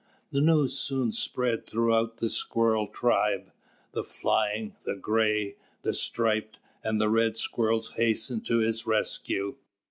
The news soon spread throughout the Squirrel tribe; the flying, the gray, the striped, and the red squirrels hastened to his rescue.